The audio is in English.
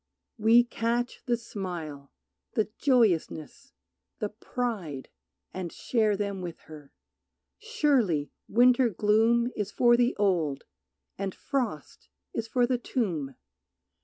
We catch the smile, the joyousness, the pride, And share them with her. Surely winter gloom Is for the old, and frost is for the tomb.